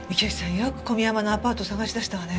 よく小宮山のアパート探し出したわね。